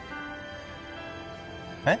えっ？